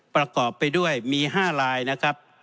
ประกอบไปด้วยมี๕ลายนะครับ